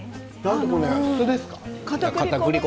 お酢ですか？